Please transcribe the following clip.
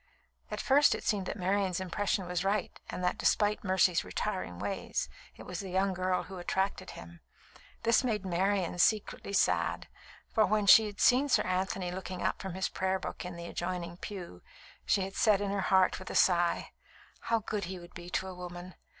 At first it seemed that Marian's impression was right, and that, despite Mercy's retiring ways, it was the young girl who attracted him. This made Marian secretly sad; for when she had seen Sir Anthony looking up from his prayer book in the adjoining pew, she had said in her heart, with a sigh: "How good he would be to a woman!